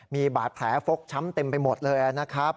มีบาดแผลฟกช้ำเต็มไปหมดเลยนะครับ